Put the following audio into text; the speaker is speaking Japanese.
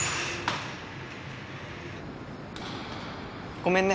ごめんね。